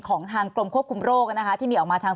ของทางกรมควบคุมโรคนะคะที่มีออกมาทาง